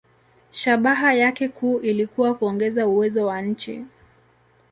Shabaha yake kuu ilikuwa kuongeza uwezo wa nchi.